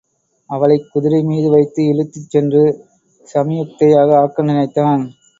அவளைக் குதிரைமீது வைத்து இழுத்துச் சென்று சமியுக்தையாக ஆக்க நினைத்தான்.